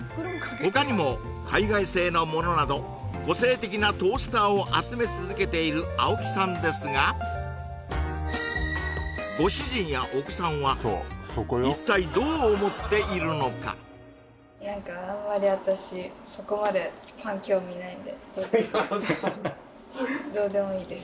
他にも海外製のものなど個性的なトースターを集め続けている青木さんですがご主人やお子さんは一体どう思っているのか何かあんまり私そこまでパン興味ないんでです